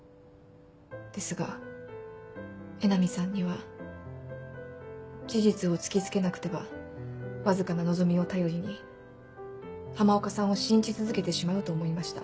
ですが江波さんには事実を突き付けなくてはわずかな望みを頼りに浜岡さんを信じ続けてしまうと思いました。